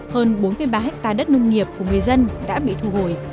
hơn bốn mươi ba hectare đất nông nghiệp của người dân đã bị thu hồi